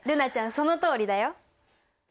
そのとおりだよ。